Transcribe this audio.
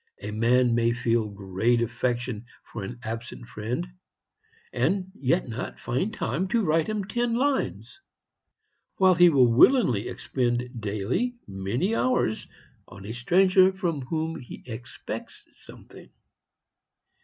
A man may feel great affection for an absent friend, and yet not find time to write him ten lines, while he will willingly expend daily many hours on a stranger from whom he expects something.